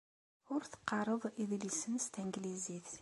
Ur teqqareḍ idlisen s tanglizit.